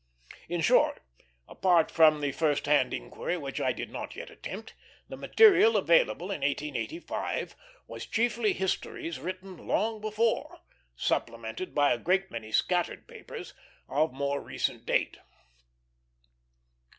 In short, apart from the first hand inquiry which I did not yet attempt, the material available in 1885 was chiefly histories written long before, supplemented by a great many scattered papers of more recent date.